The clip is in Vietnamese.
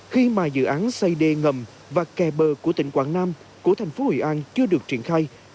khi mà dự án xây đê ngầm và kè bờ của tỉnh quảng nam của thành phố hội an chưa được triển khai